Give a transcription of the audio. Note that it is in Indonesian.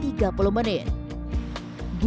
bus ini bisa dihubungi dengan teman bus